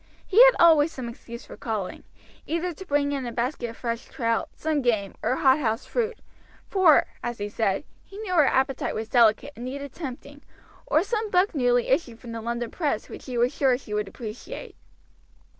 He had always some excuse for calling, either to bring in a basket of fresh trout, some game, or hothouse fruit, for, as he said, he knew her appetite was delicate and needed tempting, or some book newly issued from the London press which he was sure she would appreciate.